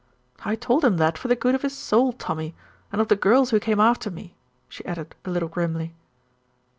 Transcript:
"I told him that for the good of his soul, Tommy, and of the girls who came after me," she added a little grimly.